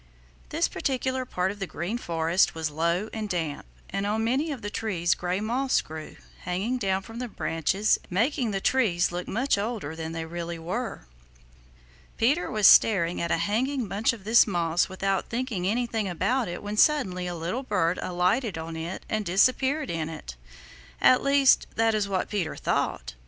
This particular part of the Green Forest was low and damp, and on many of the trees gray moss grew, hanging down from the branches and making the trees look much older than they really were. Peter was staring at a hanging branch of this moss without thinking anything about it when suddenly a little bird alighted on it and disappeared in it. At least, that is what Peter thought.